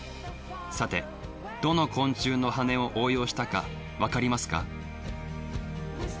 さてどの昆虫のハネを応用したかわかりますか？